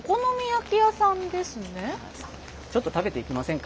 ちょっと食べていきませんか？